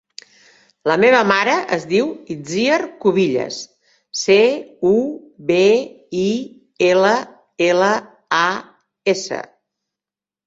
La meva mare es diu Itziar Cubillas: ce, u, be, i, ela, ela, a, essa.